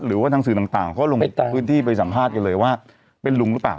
หรือว่าทางสื่อต่างเขาลงพื้นที่ไปสัมภาษณ์กันเลยว่าเป็นลุงหรือเปล่า